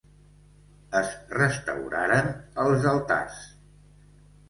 Es restauraren els altars.